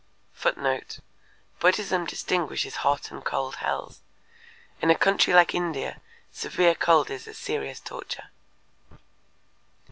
[Footnote: Buddhism distinguishes hot and cold hells. In a country like India severe cold is a serious torture.